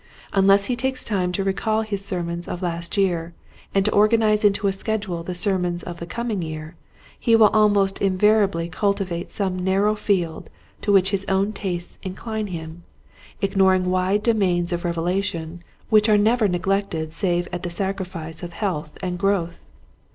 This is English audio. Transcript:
Unless he takes time to recall his sermons of last year and to organize into a schedule the sermons of the coming year he will almost invariably cultivate some narrow field to which his own tastes incline him, ignoring wide domains of revelation which are never neglected save at the sacrifice of health and growth.